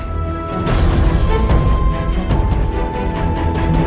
kisah kisah yang menjelaskan